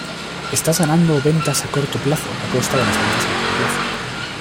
Estás ganando ventas a corto plazo a costa de las ventas a largo plazo.